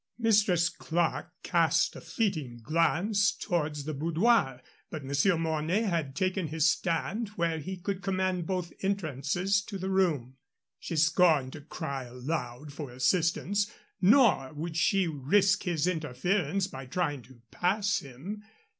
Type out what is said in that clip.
Mistress Clerke cast a fleeting glance towards the boudoir, but Monsieur Mornay had taken his stand where he could command both entrances to the room. She scorned to cry aloud for assistance, nor would she risk his interference by trying to pass him.